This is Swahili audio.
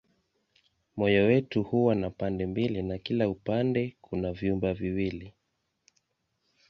Moyo wetu huwa na pande mbili na kila upande kuna vyumba viwili.